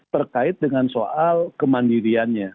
terkait dengan soal kemandiriannya